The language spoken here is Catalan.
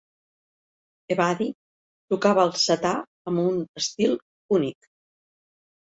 Ebadi tocava el setar amb un estil únic.